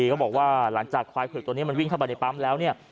เขาบอกว่าหลังจากควายเผือกตัวนี้มันวิ่งเข้าไปในปั๊มแล้วเนี่ย